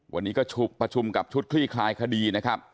วันนี้ก็ประชุมกับชุดคลี่คลายคดีนะครับ